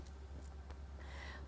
pertama saya ingin mengutip